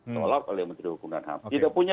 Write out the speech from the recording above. ditolak oleh menteri hukum dan ham tidak punya